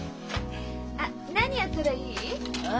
あっ何やったらいい？えっ？